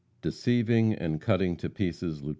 Deceiving and cutting to pieces Lieut.